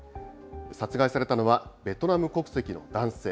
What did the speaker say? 殺害されたのは、ベトナム国籍の男性。